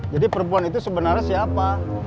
jadi perempuan itu sebenarnya siapa